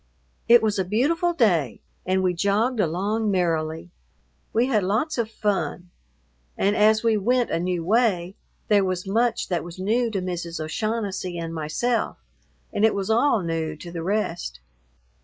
It was a beautiful day and we jogged along merrily. We had lots of fun, and as we went a new way, there was much that was new to Mrs. O'Shaughnessy and myself, and it was all new to the rest.